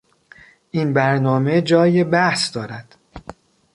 این برنامه جای بحث دارد.